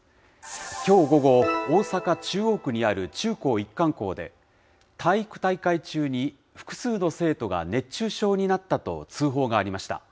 きょう午後、大阪・中央区にある中高一貫校で、体育大会中に、複数の生徒が熱中症になったと通報がありました。